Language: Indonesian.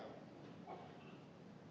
terima kasih pak prof